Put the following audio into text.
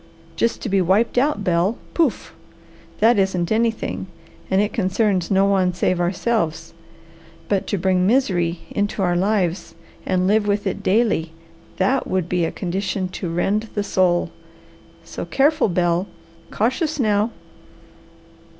Just to be wiped out, Bel, pouf! That isn't anything and it concerns no one save ourselves. But to bring misery into our lives and live with it daily, that would be a condition to rend the soul. So careful, Bel! Cautious now!"